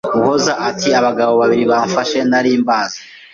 Muhoza ati: “Abagabo babiri bamfashe nari mbazi.